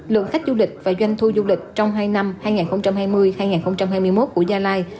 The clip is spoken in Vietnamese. lượng khách du lịch và doanh thu du lịch trong hai năm hai nghìn hai mươi hai nghìn hai mươi một của gia lai